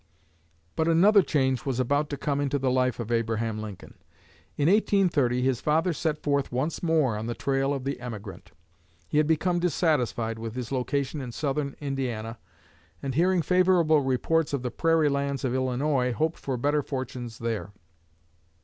But another change was about to come into the life of Abraham Lincoln. In 1830 his father set forth once more on the trail of the emigrant. He had become dissatisfied with his location in southern Indiana, and hearing favorable reports of the prairie lands of Illinois hoped for better fortunes there.